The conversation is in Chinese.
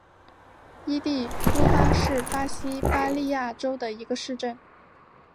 伊蒂乌巴是巴西巴伊亚州的一个市镇。